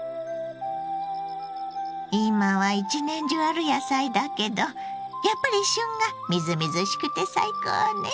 今は一年中ある野菜だけどやっぱり旬がみずみずしくて最高ね！